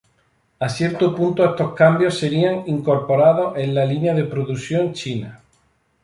A cierto punto estos cambios serían incorporados en la línea de producción china.